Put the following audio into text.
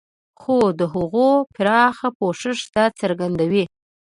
خو د هغو پراخ پوښښ دا څرګندوي.